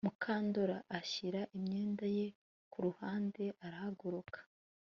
Mukandoli ashyira imyenda ye ku ruhande arahaguruka